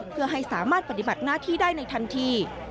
เพื่อให้สามารถปฏิบัติหน้าที่ได้ในทันที